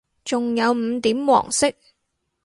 仲有五點黃色